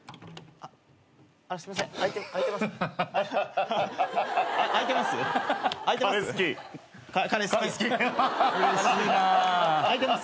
あいてます？